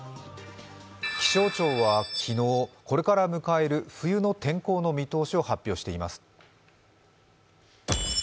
気象庁は昨日これから迎える冬の天候の見通しを発表しています。